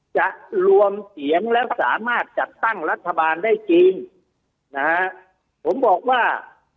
จะรวมเสียงและสามารถจัดตั้งรัฐบาลได้จริงนะฮะผมบอกว่า